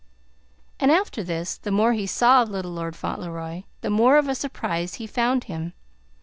And, after this, the more he saw of little Lord Fauntleroy, the more of a surprise he found him.